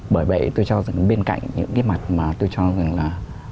bởi vậy tôi cho rằng bên cạnh những cái mặt mà tôi cho rằng là